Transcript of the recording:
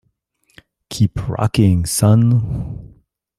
Keep rocking son.